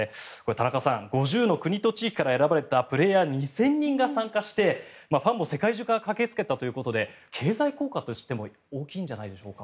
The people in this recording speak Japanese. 田中さん５０の国と地域から選ばれたプレーヤー２０００人が参加してファンも世界中から駆けつけたということで経済効果としても大きいんじゃないでしょうか。